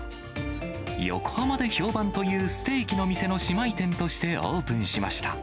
横浜で評判というステーキの店の姉妹店としてオープンしました。